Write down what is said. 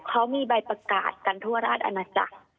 เขามีใบประกาศกันทั่วราชอาณาจักร